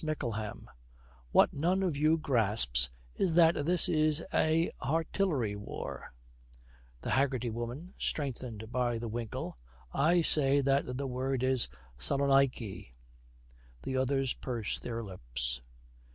MICKLEHAM. 'What none of you grasps is that this is a artillery war ' THE HAGGERTY WOMAN, strengthened by the winkle, 'I say that the word is Salonaiky.' The others purse their lips.